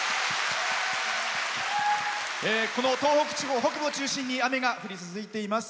この東北地方、北部を中心に雨が降り続いています。